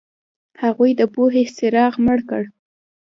هغوی د پوهې څراغ مړ کړ.